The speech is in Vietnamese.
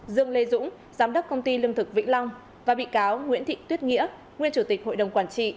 dương lê dũng giám đốc công ty lương thực vĩnh long và bị cáo nguyễn thị tuyết nghĩa nguyên chủ tịch hội đồng quản trị